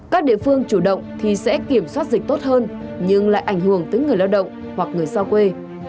các địa phương chủ động thì sẽ kiểm soát dịch tốt hơn nhưng lại ảnh hưởng tới người lao động hoặc người xa quê